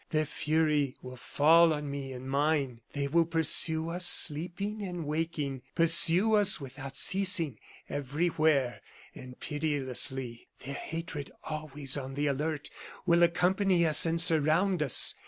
Their fury will fall on me and mine; they will pursue us sleeping and waking, pursue us without ceasing, everywhere, and pitilessly. Their hatred always on the alert, will accompany us and surround us.